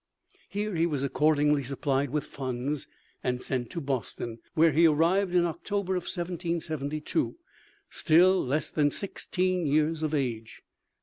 He was accordingly supplied with funds and sent to Boston, where he arrived in October, 1772, still less than sixteen years of age.